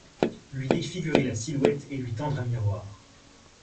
Lui défigurer la silhouette et lui tendre un miroir.